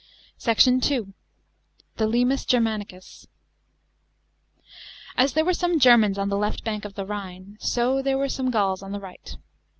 SECT. II. — THE LIMES GERMANICUS. § 8. As there were some Germans on the left bank of the Rhine, so there were some Gauls on the right.